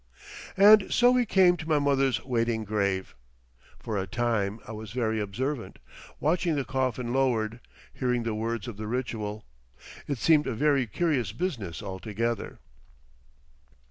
And so we came to my mother's waiting grave. For a time I was very observant, watching the coffin lowered, hearing the words of the ritual. It seemed a very curious business altogether.